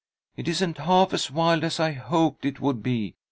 It isn't half as wild as I hoped it would be.